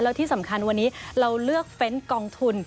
แล้วที่สำคัญวันนี้เราเลือกเฟ้นต์กองทุน